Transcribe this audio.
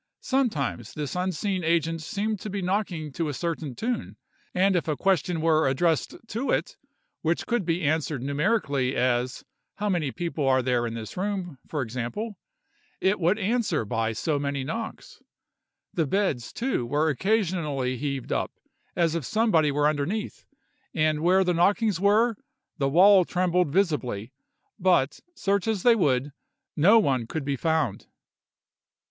Sometimes this unseen agent seemed to be knocking to a certain tune, and if a question were addressed to it which could be answered numerically—as, "How many people are there in this room?" for example—it would answer by so many knocks. The beds, too, were occasionally heaved up, as if somebody were underneath, and where the knockings were, the wall trembled visibly, but, search as they would, no one could be found.